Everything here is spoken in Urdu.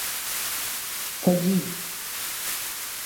فجی